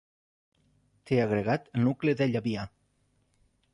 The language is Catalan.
Té agregat el nucli de Llabià.